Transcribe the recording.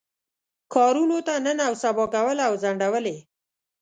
کارونو ته نن او سبا کول او ځنډول یې.